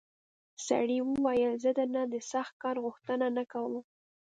سړي وویل زه درنه د سخت کار غوښتنه نه کوم.